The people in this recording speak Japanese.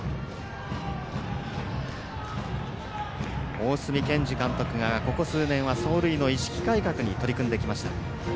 大角健二監督がここ数年は走塁の意識改革に取り組んできました。